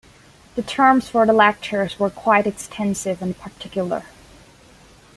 The terms for the lectures were quite extensive and particular.